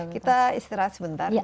kita istirahat sebentar